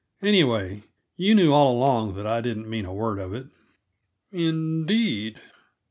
Anyway, you knew all along that I didn't mean a word of it." "Indeed!"